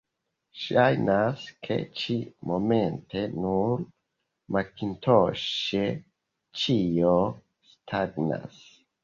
Ŝajnas, ke ĉi-momente nur makintoŝe ĉio stagnas.